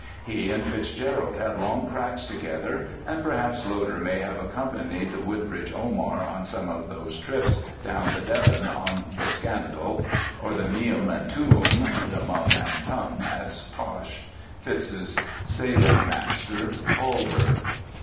He and FitzGerald had long cracks together and perhaps Loder may have accompanied the Woodbridge Omar on some of those trips down the Deben on the Scandal or the Meum and Tuum (the Mum and Tum as Posh, Fitz's sailing master, called her).